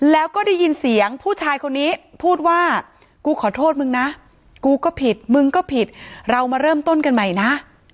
แล้วก็ได้ยินเสียงผู้ชายคนนี้พูดว่ากูขอโทษมึงนะกูก็ผิดมึงก็ผิดเรามาเริ่มต้นกันใหม่นะ